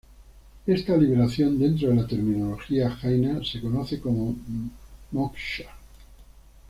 Esta liberación, dentro de la terminología jaina se conoce como moksha.